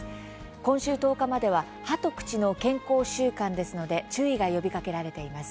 今週１０日までは歯と口の健康週間ですので注意が呼びかけられています。